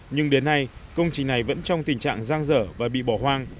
nhưng đến nay công trình này vẫn trong tình trạng giang dở và bị bỏ hoang